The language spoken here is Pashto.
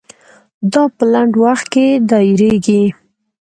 دا په لنډ وخت کې دایریږي.